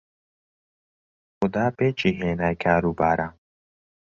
خودا پێکی هێنای کار و بارە